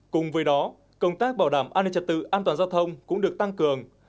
cùng với đó công tác bảo đảm an ninh trật tự an toàn giao thông cũng được tăng cường